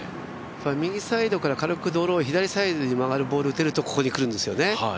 右サイドから軽くドロー左サイドに曲がるボールを打てるとここに来るんですよね。